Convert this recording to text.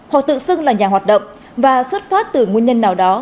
họ tự xưng là nhà hoạt động và xuất phát từ nguyên nhân nào đó